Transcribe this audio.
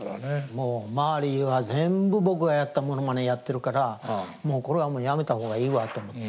もう周りは全部僕がやったものまねやってるからもうこれはやめた方がいいわと思って。